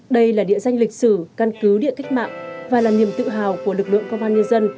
đây là địa danh lịch sử căn cứ địa cách mạng và là niềm tự hào của lực lượng công an nhân dân